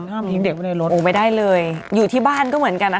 ห้ามทิ้งเด็กไว้ในรถโอ้ไม่ได้เลยอยู่ที่บ้านก็เหมือนกันนะคะ